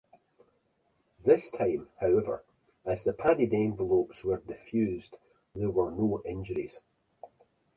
This time, however, as the padded envelopes were defused, there were no injuries.